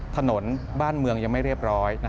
ถนนบ้านเมืองยังไม่เรียบร้อย